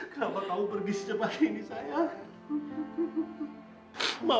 kenapa kamu pergi secepat ini saya